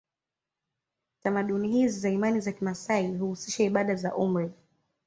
Tamaduni hizi za imani za kimaasai huhusisha ibada za umri